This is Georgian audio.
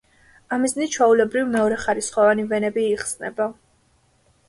ამ მიზნით ჩვეულებრივ მეორეხარისხოვანი ვენები იხსნება.